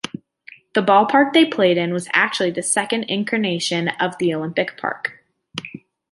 The ballpark they played in was actually the second incarnation of Olympic Park.